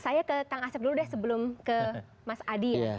saya ke kang asep dulu deh sebelum ke mas adi ya